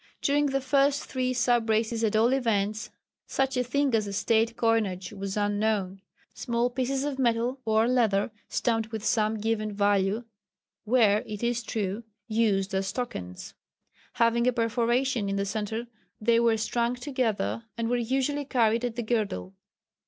During the first three sub races at all events, such a thing as a State coinage was unknown. Small pieces of metal or leather stamped with some given value were, it is true, used as tokens. Having a perforation in the centre they were strung together, and were usually carried at the girdle.